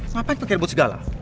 ngapain pengirut segala